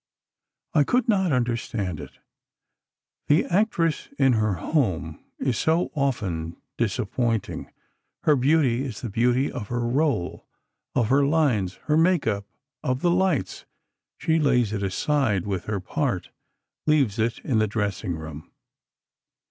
I could not understand it. The actress in her home is so often disappointing. Her beauty is the beauty of her rôle—of her lines, her make up, of the lights—she lays it aside with her part—leaves it in the dressing room.